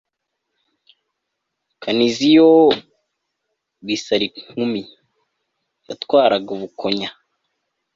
kaniziyo bisarinkumi yatwaraga ubukonya